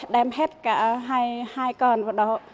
đem hết cả hai con vào đó